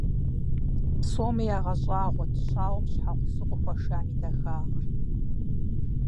Псоми ягъэщӀагъуэрт щауэм щхьэгъусэу къыхуашам и дахагъэр.